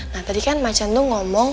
nah tadi kan ma can tuh ngomong